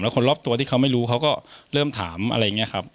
คนรอบตัวที่เขาไม่รู้เขาก็เริ่มถามอะไรอย่างนี้ครับ